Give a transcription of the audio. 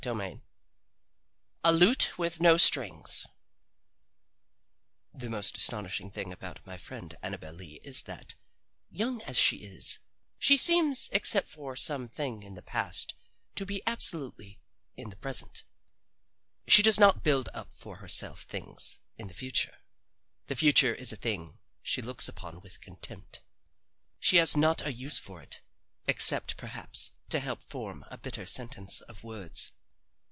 XVII A LUTE WITH NO STRINGS The most astonishing thing about my friend Annabel Lee is that, young as she is, she seems except for some thing in the past to be absolutely in the present. She does not build up for herself things in the future. The future is a thing she looks upon with contempt. She has not a use for it except perhaps to help form a bitter sentence of words.